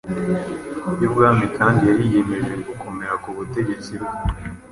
y’ubwami kandi yariyemeje gukomera ku butegetsi bwe.